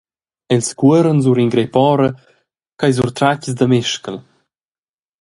Els cuoran sur in grep ora ch’ei surtratgs da mescal.